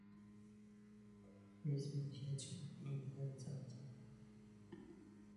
He spent his childhood in the Zamoskvorechye District.